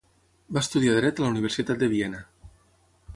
Va estudiar dret a la Universitat de Viena.